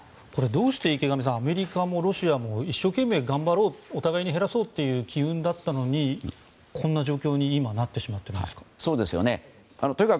池上さん、どうしてアメリカもロシアも一生懸命頑張ろうお互い減らそうという機運だったのにこんな状況に今なってしまっているんですか？